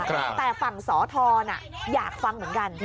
แต่ฝั่งสอทรอยากฟังเหมือนกัน